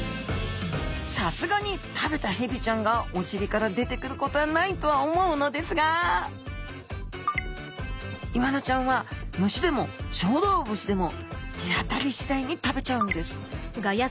さすがに食べたヘビちゃんがおしりから出てくることはないとは思うのですがイワナちゃんは虫でも小動物でも手当たりしだいに食べちゃうんです。